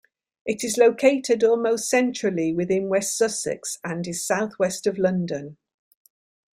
It is located almost centrally within West Sussex and is south west of London.